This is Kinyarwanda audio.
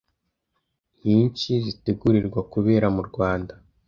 nyinshi zitegurirwa kubera mu Rwanda